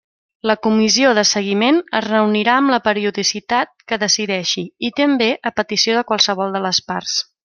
La comissió de seguiment es reunirà amb la periodicitat que decideixi i també a petició de qualsevol de les parts.